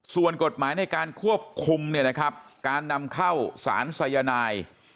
ส่วนกฎหมายในการควบคุมการนำเข้าสารสยนาย